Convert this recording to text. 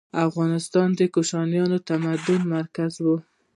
افغانستان د کوشاني تمدن مرکز و.